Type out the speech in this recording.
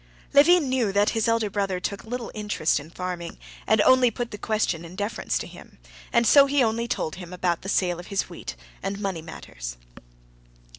Levin knew that his elder brother took little interest in farming, and only put the question in deference to him, and so he only told him about the sale of his wheat and money matters.